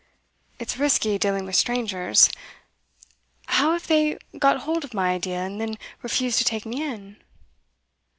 'It's risky, dealing with strangers. How if they got hold of my idea, and then refused to take me in?